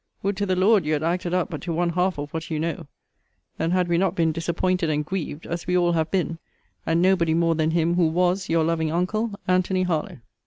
Would to the Lord you had acted up but to one half of what you know! then had we not been disappointed and grieved, as we all have been: and nobody more than him who was Your loving uncle, ANTONY HARLOWE.